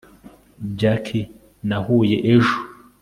jack nahuye ejo